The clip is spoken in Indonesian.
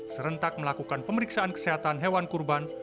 serentak melakukan pemeriksaan kesehatan hewan kurban